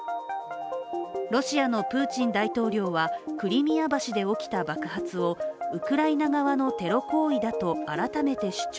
ロシアのプーチン大統領は、クリミア橋で起きた爆発をウクライナ側のテロ行為だと改めて主張。